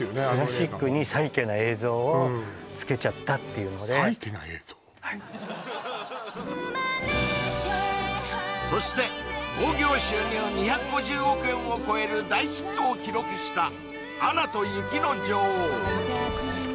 あの映画クラシックにサイケな映像をつけちゃったっていうのでそして興行収入２５０億円を超える大ヒットを記録した「アナと雪の女王」